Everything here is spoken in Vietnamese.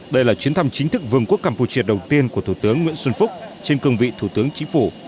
đây là chuyến thăm chính thức vương quốc campuchia đầu tiên của thủ tướng nguyễn xuân phúc trên cương vị thủ tướng chính phủ